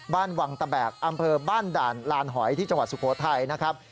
บ้านวังตะแบกอำเภอบ้านด่านลานหอยที่จังหวัดสุโขทัยนะครับ